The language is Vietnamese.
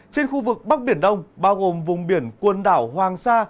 trên khu vực bắc biển đông bao gồm vùng biển quần đảo hoàng sa